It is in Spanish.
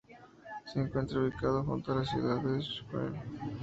Se encuentra ubicado junto a la ciudad de Schwerin.